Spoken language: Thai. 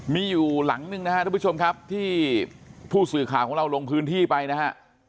มีอยู่หลังนึงนะครับทุกผู้ชมครับที่ผู้สื่อข่าวของเราลงพื้นที่ไปนะฮะ